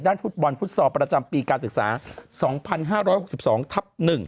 ฟุตบอลฟุตซอลประจำปีการศึกษา๒๕๖๒ทับ๑